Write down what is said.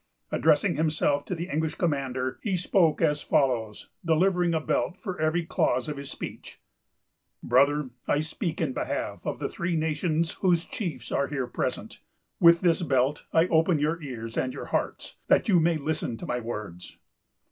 Addressing himself to the English commander, he spoke as follows, delivering a belt for every clause of his speech:—— "Brother, I speak in behalf of the three nations whose chiefs are here present. With this belt I open your ears and your hearts, that you may listen to my words.